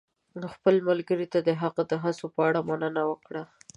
خپل ملګري ته د هغوی د هڅو په اړه مننه وکړه.